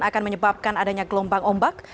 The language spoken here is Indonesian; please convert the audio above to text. akan menyebabkan adanya gelombang ombak